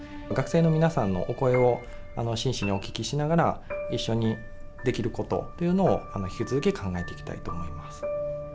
学生の皆さんのお声を真摯にお聞きしながら一緒にできることっていうのを引き続き考えていきたいと思います。